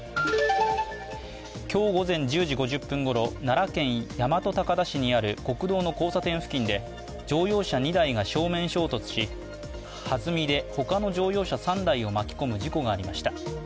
今日午前１０時５０分頃奈良県大和高田市にある国道の交差点付近で乗用車２台が正面衝突しはずみで他の乗用車３台を巻き込む事故がありました。